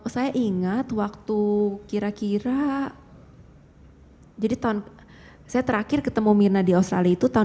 saya ingat waktu kira kira jadi tahun saya terakhir ketemu mirna di australia itu tahun dua ribu